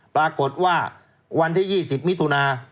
ปรากฏว่าวันที่๒๐มิถุนา